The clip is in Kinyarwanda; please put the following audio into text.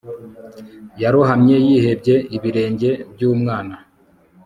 yarohamye yihebye ibirenge by'umwana